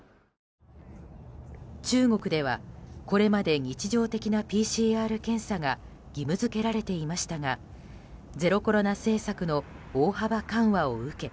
中国ではこれまで日常的なＰＣＲ検査が義務付けられていましたがゼロコロナ政策の大幅緩和を受け